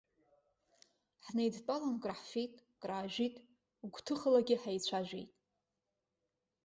Ҳнеидтәалан краҳфеит, краажәит, гәҭыхалагьы ҳаицәажәеит.